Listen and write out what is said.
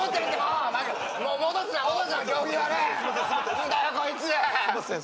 何だよこいつ！